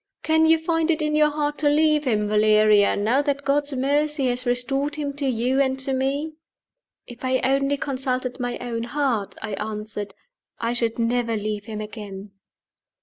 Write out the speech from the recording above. Can you find it in your heart to leave him, Valeria, now that God's mercy has restored him to you and to me?" "If I only consulted my own heart," I answered, "I should never leave him again."